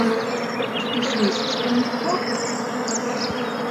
Czy ty słyszysz, Emilko?